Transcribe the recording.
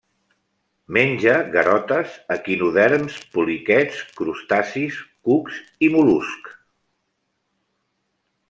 Menja garotes, equinoderms, poliquets, crustacis, cucs i mol·luscs.